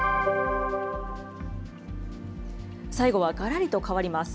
最後はがらりと変わります。